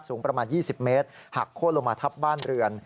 สูงประมาณ๒๐เมตรหักโค้นลงมาทับบ้านเรือน